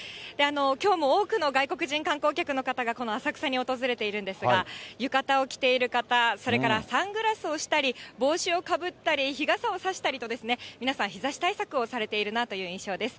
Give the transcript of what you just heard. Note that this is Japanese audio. きょうも多くの外国人観光客の方が、この浅草に訪れているんですが、浴衣を着ている方、それからサングラスをしたり、帽子をかぶったり、日傘を差したりと、皆さん日ざし対策をされているなという印象です。